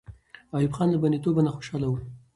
ایوب خان له بندي توبه نه وو خوشحاله.